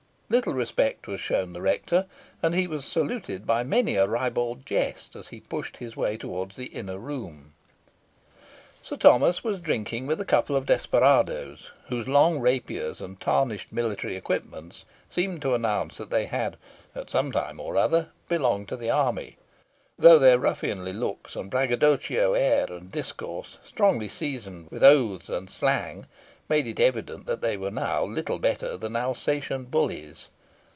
Little respect was shown the rector, and he was saluted by many a ribald jest as he pushed his way towards the inner room. Sir Thomas was drinking with a couple of desperadoes, whose long rapiers and tarnished military equipments seemed to announce that they had, at some time or other, belonged to the army, though their ruffianly looks and braggadocio air and discourse, strongly seasoned with oaths and slang, made it evident that they were now little better than Alsatian bullies.